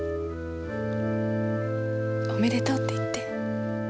「おめでとうって言って」